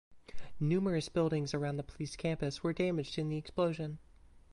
Numerous buildings around the police campus were damaged in the explosion.